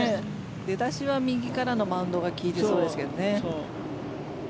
出だしは右からのマウンドが利いてそうですけどね。